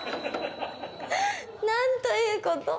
何ということ。